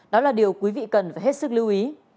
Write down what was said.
đó là điều quý vị cần phải hết sức lưu ý